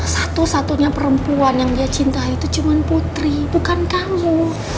satu satunya perempuan yang dia cintai itu cuma putri bukan kamu